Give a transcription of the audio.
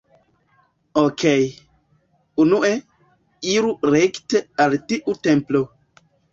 Okej. Unue, iru rekte al tiu templo.